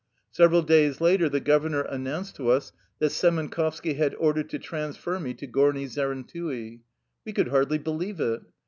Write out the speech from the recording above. Sev eral days later the governor announced to us that Semenkovski had ordered to transfer me to Gorni Zerentui. We could hardly believe it.